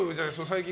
最近。